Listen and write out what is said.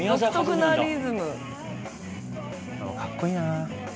でもかっこいいな。